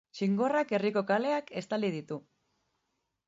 Txingorrak herriko kaleak estali ditu.